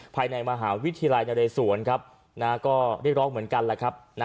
ภายในมหาวิทยาลัยนรษวนเรียกร้องเหมือนกัน